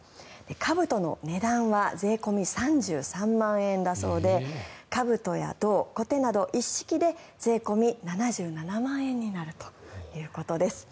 かぶとの値段は税込み３３万円だそうでかぶとや銅、小手など一式で税込み７７万円になるということです。